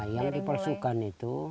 yang dipalsukan itu